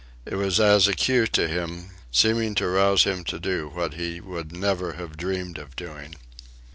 It was as a cue to him, seeming to rouse him to do what he would never have dreamed of doing.